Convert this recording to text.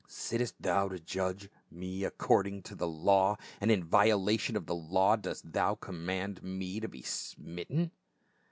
" Sittest thou to judge me accord ing to the law, and in violation of the law dost thou command me to be smitten?"